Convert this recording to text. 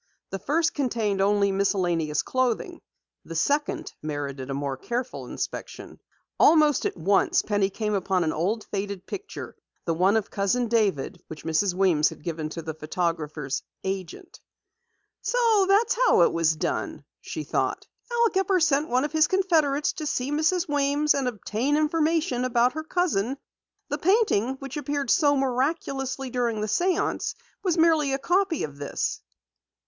The first contained only miscellaneous clothing. The second merited a more careful inspection. Almost at once Penny came upon an old faded picture, the one of Cousin David which Mrs. Weems had given to the photographer's "agent." "So that was how it was done!" she thought. "Al Gepper sent one of his confederates to see Mrs. Weems and obtain information about her cousin. The painting which appeared so miraculously during the séance was merely a copy of this!